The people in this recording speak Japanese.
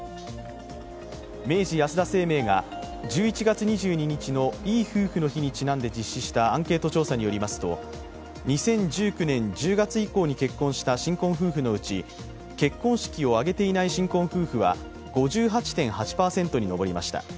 明治安田生命が１１月２２日のいい夫婦の日にちなんで実施したアンケート調査によりますと２０１９年１０月以降に結婚した新婚夫婦のうち結婚式を挙げていない新婚夫婦は５８．８％に上りました。